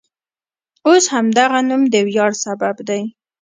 اوس همدغه نوم د ویاړ سبب دی.